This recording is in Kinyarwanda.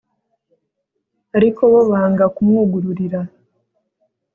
ariko bo banga kumwugururira